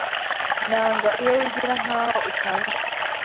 Nanga iyo wigira nkaho utanzi.